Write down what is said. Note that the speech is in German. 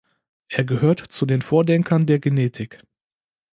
Er gehört zu den Vordenkern der Genetik.